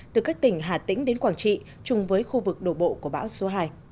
từ các tỉnh hà tĩnh đến quảng trị chung với khu vực đổ bộ của bão số hai